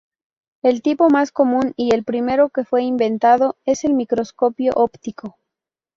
El tipo más común y el primero que fue inventado es el microscopio óptico.